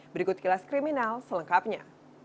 berikut kilas kriminal selengkapnya